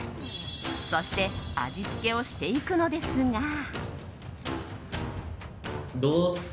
そして味付けをしていくのですが。